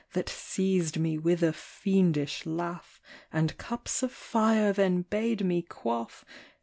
That seized me with a fiendish laugh. And cups of fire then bade me quaff".